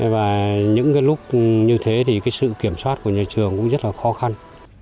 và những lúc như thế thì cái sự kiểm soát của nhà trường cũng rất là khó khăn